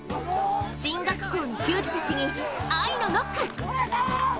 進学校の球児たちに愛のノック。